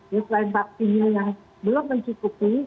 ya selain vaksinnya yang belum mencukupi